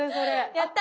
やった！